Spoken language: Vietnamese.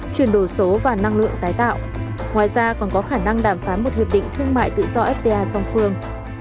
chuyển đổi số và năng lượng tái tạo ngoài ra còn có khả năng đàm phán một hiệp định thương mại tự do fta song phương